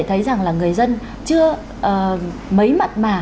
thấy rằng là người dân chưa mấy mặt mà